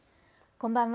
こんばんは。